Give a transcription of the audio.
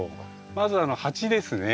まず鉢ですね。